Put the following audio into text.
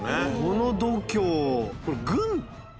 この度胸。